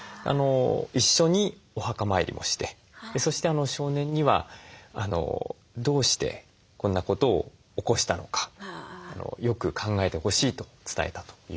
一緒にお墓参りもしてそして少年にはどうしてこんなことを起こしたのかよく考えてほしいと伝えたということです。